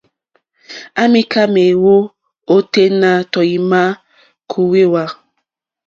À mìká méèwó óténá tɔ̀ímá kòwèwà.